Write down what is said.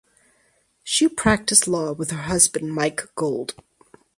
She practiced law with her husband Mike Gold.